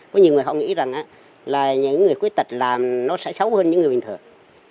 có nhiều người họ nghĩ rằng là những người khuyết tật làm nó sẽ xấu hơn những người bình thường